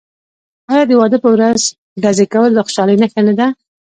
آیا د واده په ورځ ډزې کول د خوشحالۍ نښه نه ده؟